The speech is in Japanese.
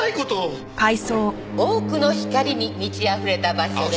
多くの光に満ちあふれた場所です。